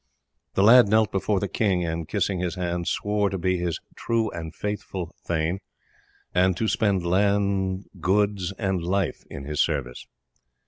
The lad knelt before the king, and, kissing his hand, swore to be his true and faithful thane, and to spend land, goods, and life in his service.